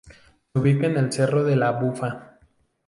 Se ubica en el Cerro de la Bufa.